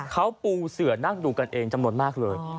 เขาปูเสือนั่งดูกันเองจำนวนมากเลย